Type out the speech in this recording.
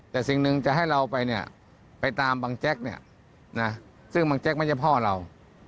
แต่สิ่งหนึ่งจะให้เราไปเนี่ยไปตามบังแจ๊กเนี่ยนะซึ่งบางแจ๊กไม่ใช่พ่อเรา